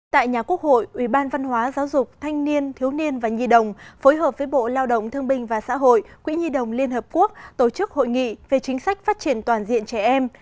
tại nhà quốc hội ủy ban văn hóa giáo dục thanh niên thiếu niên và nhi đồng phối hợp với bộ lao động thương binh và xã hội quỹ nhi đồng liên hợp quốc tổ chức hội nghị về chính sách phát triển toàn diện trẻ em